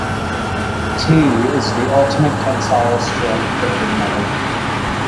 "T" is the ultimate tensile strength of the metal.